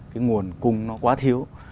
cái nguồn cung nó quá thiếu